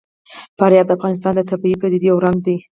فاریاب د افغانستان د طبیعي پدیدو یو رنګ دی.